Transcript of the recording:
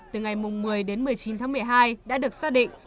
từ ngày một mươi đến một mươi chín tháng một mươi hai đã được xác định